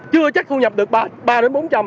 chưa chắc thu nhập được ba đến bốn trăm linh